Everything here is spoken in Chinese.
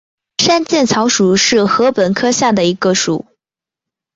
山涧草属是禾本科下的一个属。